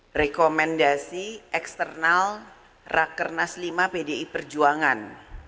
hai rekomendasi eksternal rakernas v pdi perjuangan